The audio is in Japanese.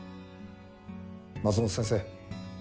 松本先生